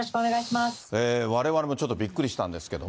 われわれもちょっとびっくりしたんですけど。